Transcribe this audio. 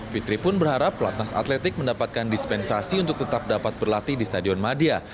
fitri pun berharap pelatnas atletik mendapatkan dispensasi untuk tetap dapat berlatih di stadion madia